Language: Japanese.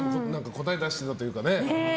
答えを出してたというかね。